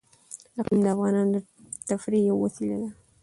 اقلیم د افغانانو د تفریح یوه وسیله ده.